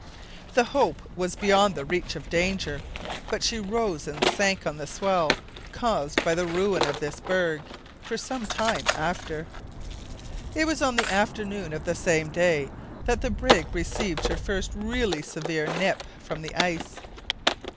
The Hope was beyond the reach of danger, but she rose and sank on the swell, caused by the ruin of this berg, for some time after. It was on the afternoon of the same day that the brig received her first really severe "nip" from the ice.